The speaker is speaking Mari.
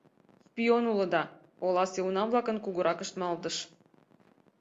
Шпион улыда, — оласе уна-влакын кугуракышт малдыш.